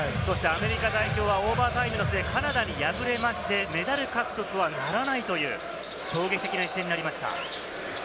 アメリカ代表はオーバータイムの末、カナダに敗れまして、メダル獲得はならないという衝撃的な一戦になりました。